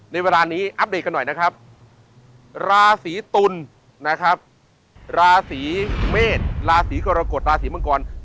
ในเวลานี้อัปเดตกันหน่อยนะครับราศีตุลนะครับราศีเมษราศีกรกฎราศีมังกร